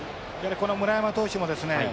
この村山投手もですね